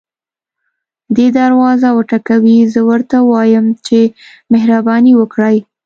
دی دروازه وټکوي زه ورته ووایم چې مهرباني وکړئ.